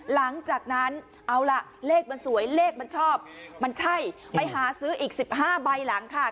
หลังจากนั้นเอาล่ะเลขมันสวยเลขมันชอบมันใช่ไปหาซื้ออีก๑๕ใบหลังค่ะ